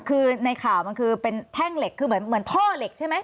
คือในข่าวมันคือเป็นแท่งเหล็กคือเหมือนท่อเหล็กใช่ไหม